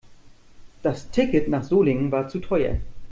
Das Ticket nach Solingen war zu teuer